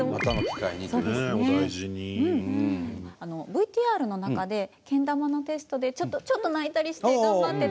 ＶＴＲの中でけん玉のテストでちょっと泣いたりして頑張ってた吉孝君。